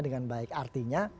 dengan baik artinya